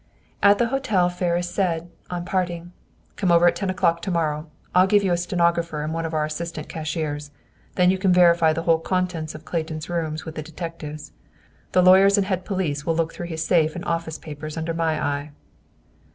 At the hotel Ferris said, on parting, "Come over at ten o'clock to morrow. I'll give you a stenographer and one of our assistant cashiers. Then you can verify the whole contents of Clayton's rooms with the detectives. The lawyers and head police will look through his safe and office papers under my eye."